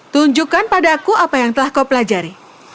tunjukkan padaku apa yang telah kau pelajari